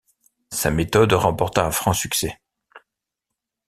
Sa méthode remporta un franc succès.